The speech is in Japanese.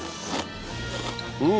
うん！